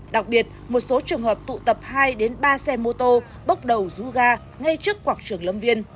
đặc biệt một số trường hợp tụ tập hai ba xe mô tô bốc đầu duga ngay trước quảng trưởng lâm viên